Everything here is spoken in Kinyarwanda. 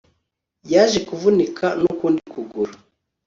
yaje kuvunika nukundi kuguru